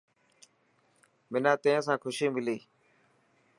منان تين سان خوشي ملي.